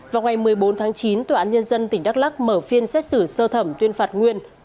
vào ngày một mươi bốn tháng chín tòa án nhân dân tỉnh đắk lắc mở phiên xét xử sơ thẩm tuyên phạt nguyên